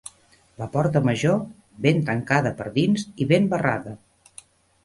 La porta major, ben tancada per dins i ben barrada